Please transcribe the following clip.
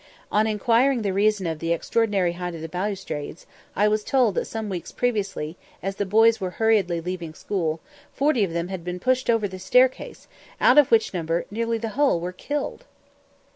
On inquiring the reason of the extraordinary height of the balustrades, I was told that some weeks previously, as the boys were hurriedly leaving school, forty of them had been pushed over the staircase, out of which number nearly the whole were killed!